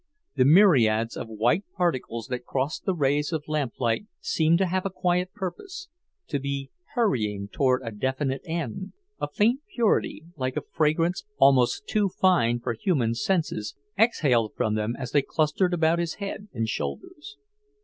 The myriads of white particles that crossed the rays of lamplight seemed to have a quiet purpose, to be hurrying toward a definite end. A faint purity, like a fragrance almost too fine for human senses, exhaled from them as they clustered about his head and shoulders.